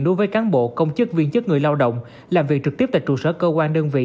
đối với cán bộ công chức viên chức người lao động làm việc trực tiếp tại trụ sở cơ quan đơn vị